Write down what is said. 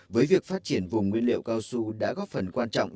với việc phát triển vùng nguyên liệu cao su đã góp phần quan trọng